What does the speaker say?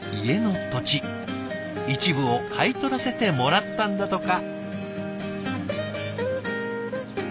一部を買い取らせてもらったんだとか。